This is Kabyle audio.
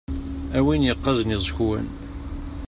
A win yeqqazen iẓekwan.